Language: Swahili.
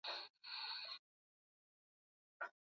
aona immediate waislamu wa baghdad wanavyochukua kanisa